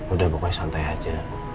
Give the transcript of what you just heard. udah pokoknya santai aja